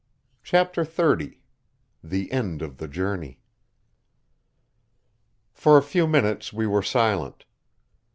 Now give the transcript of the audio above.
CHAPTER XXX THE END OF THE JOURNEY For a few minutes we were silent.